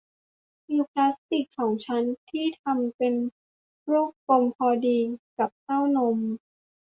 คือพลาสติกสองชั้นที่ทำเป็นรูปกลมพอดีกับเต้านม